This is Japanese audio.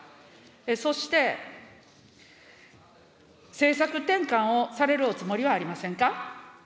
そして、政策転換をされるおつもりはありませんか。